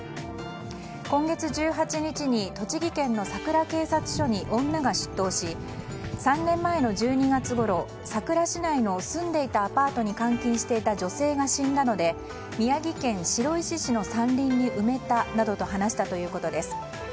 今月１８日に栃木県のさくら警察署に女が出頭し、３年前の１２月ごろさくら市内の住んでいたアパートに監禁していた女性が死んだので宮城県白石市の山林に埋めたなどと話したということです。